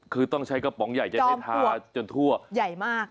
คือต้องใช้กระป๋องใหญ่จะได้ทาจนทั่วใหญ่มาก